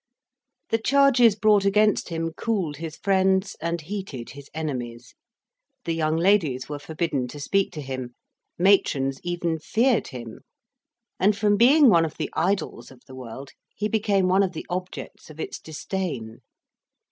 The charges brought against him cooled his friends and heated his enemies; the young ladies were forbidden to speak to him, matrons even feared him, and from being one of the idols of the world, he became one of the objects of its disdain.